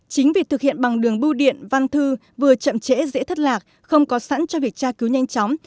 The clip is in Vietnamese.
chính vì thực hiện bằng đường bưu điện văn thư vừa chậm trễ dễ thất lạc không có sẵn cho việc tra cứu nhanh chóng